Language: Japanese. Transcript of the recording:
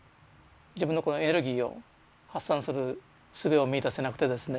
自分のこのエネルギーを発散するすべを見いだせなくてですね。